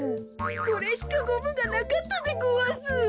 これしかゴムがなかったでごわす。